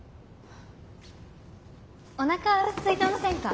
おなかすいてませんか。